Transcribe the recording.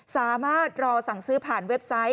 สามารถรอสั่งซื้อผ่านเว็บไซต์